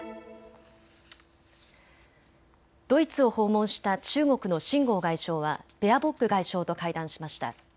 ドイツを訪問した中国の秦剛外相はベアボック外相と会談しました。